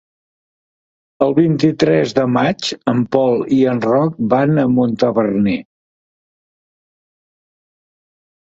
El vint-i-tres de maig en Pol i en Roc van a Montaverner.